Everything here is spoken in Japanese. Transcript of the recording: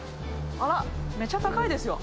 あらっ、めちゃ高いですよ。